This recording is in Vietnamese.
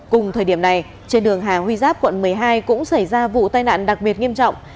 cùng thời điểm này trên đường hà huy giáp quận một mươi hai cũng xảy ra vụ tai nạn đặc biệt nghiêm trọng